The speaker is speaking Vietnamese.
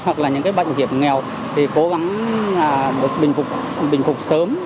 hoặc là những cái bệnh hiệp nghèo thì cố gắng được bình phục sớm